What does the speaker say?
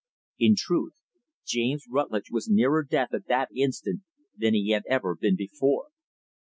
In truth, James Rutlidge was nearer death, at that instant, than he had ever been before.